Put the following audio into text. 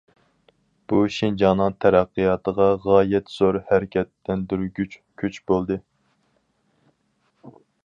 بۇ شىنجاڭنىڭ تەرەققىياتىغا غايەت زور ھەرىكەتلەندۈرگۈچ كۈچ بولدى.